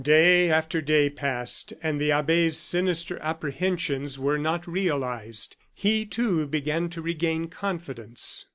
Day after day passed and the abbe's sinister apprehensions were not realized; he, too, began to regain confidence.